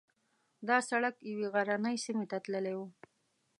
دا سړک یوې غرنۍ سیمې ته تللی و.